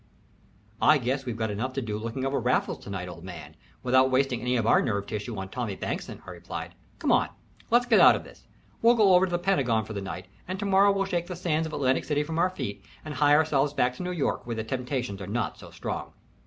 "I guess we've got enough to do looking after Raffles to night, old man, without wasting any of our nerve tissue on Tommie Bankson," I replied. "Come on let's get out of this. We'll go over to the Pentagon for the night, and to morrow we'll shake the sands of Atlantic City from our feet and hie ourselves back to New York, where the temptations are not so strong."